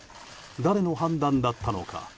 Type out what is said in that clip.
誰の判断だったのか。